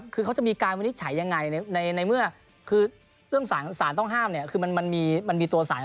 คือเขาจะมีการวินิจฉัยอย่างไรในเมื่อคือสารต้องห้ามมันมีตัวสาร